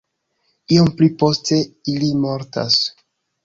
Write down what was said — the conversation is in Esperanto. Iom pli poste ili mortas.